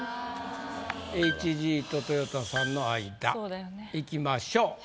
ＨＧととよたさんの間いきましょう。